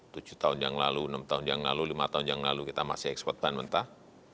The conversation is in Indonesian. tujuh tahun yang lalu enam tahun yang lalu lima tahun yang lalu kita masih ekspor bahan mentah